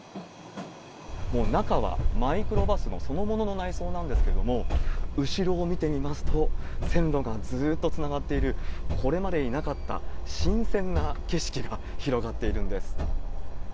もう中はマイクロバスのそのものの内装なんですけれども、後ろを見てみますと、線路がずーっとつながっている、これまでになかった新鮮な景色が広がっているんです。